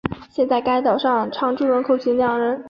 现在该岛上常住人口仅两人。